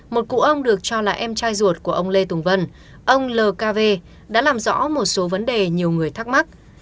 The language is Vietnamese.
một cụ ông được cho là em trai ruột của ông lê tùng vân ông lkv đã làm rõ một số vấn đề nhiều người thắc mắc